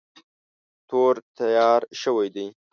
تور تیار شوی دی.